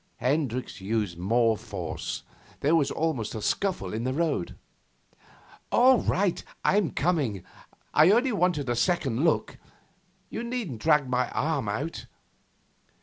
Hendricks used more force. There was almost a scuffle in the road. 'All right, I'm coming. I only wanted to look a second. You needn't drag my arm out.